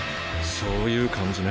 そういう感じね。